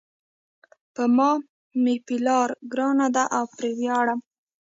په ما مېپلار ګران ده او پری ویاړم